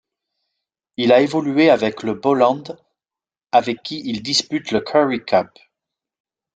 Il a évolué avec le Boland avec qui il dispute la Currie Cup.